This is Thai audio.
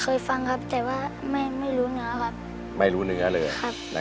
ฟังครับแต่ว่าไม่รู้เนื้อครับไม่รู้เนื้อเลยครับ